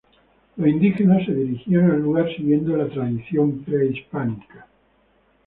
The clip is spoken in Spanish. Los indígenas se dirigían al lugar siguiendo la tradición prehispánica.